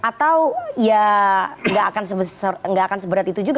atau ya gak akan sebesar gak akan seberat itu juga